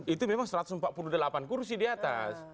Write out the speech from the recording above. itu memang satu ratus empat puluh delapan kursi di atas